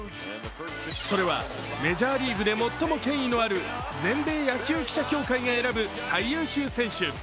それはメジャーリーグで最も権威のある全米野球記者協会が選ぶ最優秀選手。